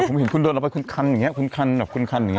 ผมเห็นคุณมาถึงคันอย่างนี้คันคันอย่าคันอย่างไง